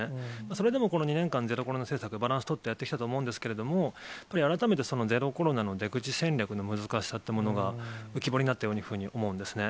それでもこの２年間、ゼロコロナ政策、バランス取ってやってきたと思うんですけれども、やっぱり改めてゼロコロナの出口戦略の難しさってものが、浮き彫りになったというふうに思うんですね。